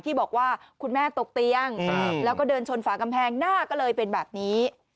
ที่บอกว่าคุณแม่ตกเตียงแล้วก็เดินชนฝากำแพงหน้าก็เลยเป็นแบบนี้